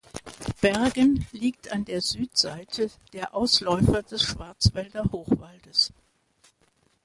Bergen liegt an der Südseite der Ausläufer des Schwarzwälder Hochwaldes.